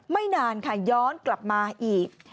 ไม่นานค่ะย้อนกลับมาอีก